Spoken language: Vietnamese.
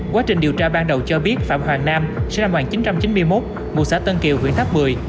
quá trình điều tra ban đầu cho biết phạm hoàng nam sinh năm một nghìn chín trăm chín mươi một ngụ xã tân kiều huyện tháp một mươi